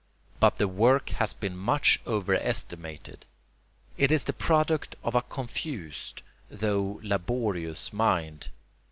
But the work has been much overestimated. It is the product of a confused though laborious mind.